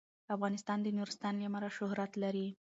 افغانستان د نورستان له امله شهرت لري.